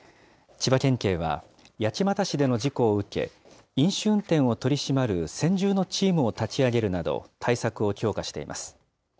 千葉県警は、八街市での事故を受け、飲酒運転を取り締まる専従のチームを立ち上げるなど、対策を強化しています。